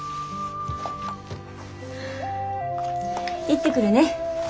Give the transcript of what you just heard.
行ってくるね。